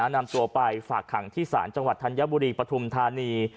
นำตัวไปฝากขังที่ศาลจังหวัดธัญบุรีปฐุมธานี